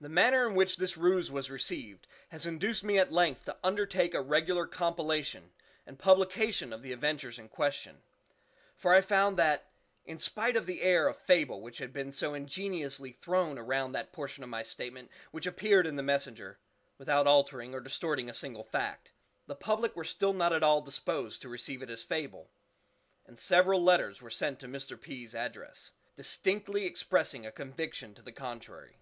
The manner in which this ruse was received has induced me at length to undertake a regular compilation and publication of the adventures in question; for I found that, in spite of the air of fable which had been so ingeniously thrown around that portion of my statement which appeared in the "Messenger" (without altering or distorting a single fact), the public were still not at all disposed to receive it as fable, and several letters were sent to Mr. P.'s address, distinctly expressing a conviction to the contrary.